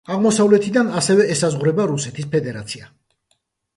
აღმოსავლეთიდან ასევე ესაზღვრება რუსეთის ფედერაცია.